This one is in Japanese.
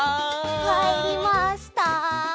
かえりました！